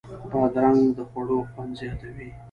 بادرنګ د خوړو خوند زیاتوي.